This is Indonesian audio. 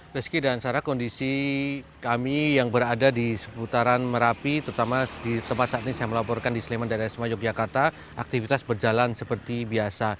rizky dan sarah kondisi kami yang berada di seputaran merapi terutama di tempat saat ini saya melaporkan di sleman dan esma yogyakarta aktivitas berjalan seperti biasa